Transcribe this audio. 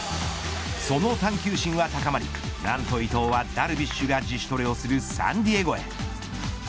その探究心は高まりなんと伊藤は、ダルビッシュが自主トレをするサンディエゴへ。